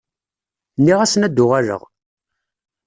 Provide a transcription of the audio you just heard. Nniɣ-asen ad d-uɣaleɣ